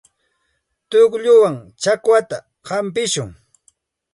Tuqllawan chakwata hapishun.